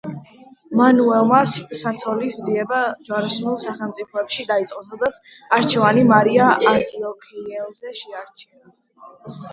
მანუელმა საცოლის ძიება ჯვაროსნულ სახელმწიფოებში დაიწყო, სადაც არჩევანი მარია ანტიოქიელზე შეაჩერა.